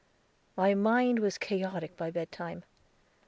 My mind was chaotic by bed time.